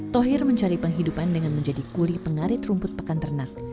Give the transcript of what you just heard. thohir mencari penghidupan dengan menjadi kuli pengarit rumput pekan ternak